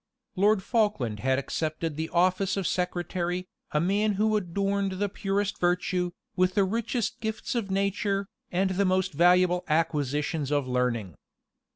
Lord Falkland had accepted the office of secretary; a man who adorned the purest virtue, with the richest gifts of nature, and the most valuable acquisitions of learning.